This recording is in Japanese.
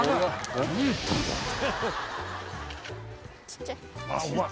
小っちゃい。